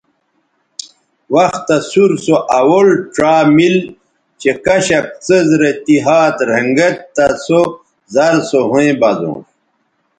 وختہ سور سو اول ڇا مِل چہء کشک څیز رے تی ھات رھنگید تہ سو زر سو ھویں بزونݜ